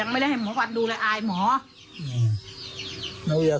ไม่ให้เขาดูได้ไง